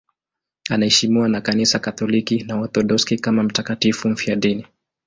Anaheshimiwa na Kanisa Katoliki na Waorthodoksi kama mtakatifu mfiadini.